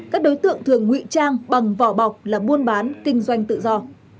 các đối tượng thường ngụy trang bằng vỏ bọc là buôn bán kinh doanh tự do